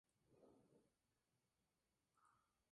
Los Angeles Times.